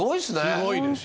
すごいですよ。